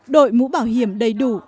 đội mũ bảo hiểm đầy đủ